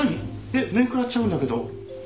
えっ面食らっちゃうんだけど。